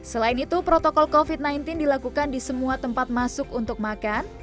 selain itu protokol covid sembilan belas dilakukan di semua tempat masuk untuk makan